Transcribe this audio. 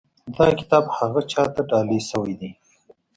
دا کتاب هغه چا ته ډالۍ شوی دی.